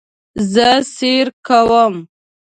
زه سیر کوم